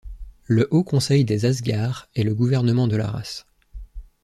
Le Haut Conseil des Asgards est le gouvernement de la race.